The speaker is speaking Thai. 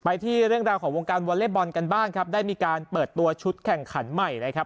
ที่เรื่องราวของวงการวอเล็กบอลกันบ้างครับได้มีการเปิดตัวชุดแข่งขันใหม่นะครับ